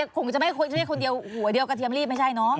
คงจะไม่ใช่คนเดียวหัวเดียวกระเทียมรีบไม่ใช่เนอะ